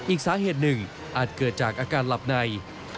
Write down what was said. อีกสาเหตุหนึ่งอาจเกิดจากอาการหลับใน